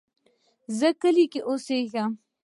زه کلی کې اوسیږم